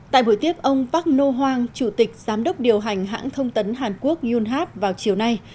tại buổi tiếp ông park nô hoang chủ tịch giám đốc điều hành hãng thông tấn hàn quốc yunhap vào chiều nay